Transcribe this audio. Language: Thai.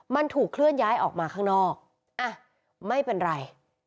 มันถูกเคลื่อนย้ายออกมาข้างนอกอ่ะไม่เป็นไร